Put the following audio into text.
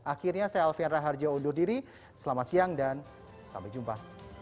akhirnya saya alfian raharjo undur diri selamat siang dan sampai jumpa